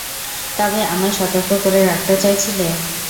তবে আমায় সতর্ক করে রাখতে চাইছিলে?